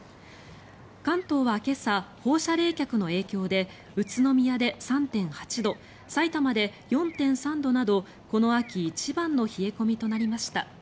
関東は今朝、放射冷却の影響で宇都宮で３．８度さいたまで４．３度などこの秋一番の冷え込みとなりました。